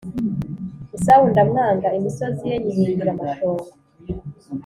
Esawu ndamwanga imisozi ye nyihindura amatongo